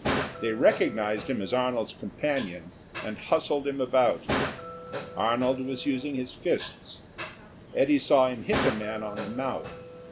They recognised him as Arnold's companion, and hustled him about. Arnold was using his fists. Eddy saw him hit a man on the mouth.